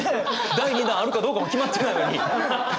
第２弾あるかどうかも決まってないのに。